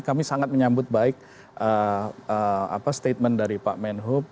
kami sangat menyambut baik statement dari pak menhub